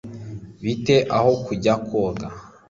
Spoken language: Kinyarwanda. bite ho kujya koga